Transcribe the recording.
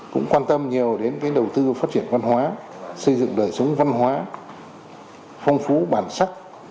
cũng quan tâm nhiều đến đầu tư phát triển văn hóa xây dựng đời sống văn hóa phong phú bản sắc